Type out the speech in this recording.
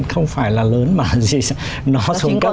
không phải là lớn mà nó xuống cấp